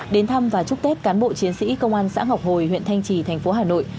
đến thăm và chúc tết cán bộ chiến sĩ công an xã ngọc hồi huyện thanh trì thành phố hà nội